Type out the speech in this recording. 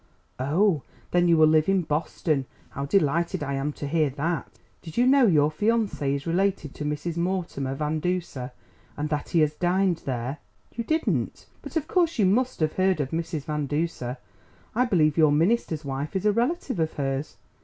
"Oh, then you will live in Boston! How delighted I am to hear that! Did you know your fiancé is related to Mrs. Mortimer Van Duser? and that he has dined there? You didn't? But of course you must have heard of Mrs. Van Duser; I believe your minister's wife is a relative of hers.